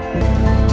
kota tuh happy rasanya